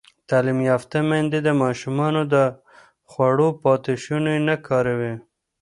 تعلیم یافته میندې د ماشومانو د خوړو پاتې شوني نه کاروي.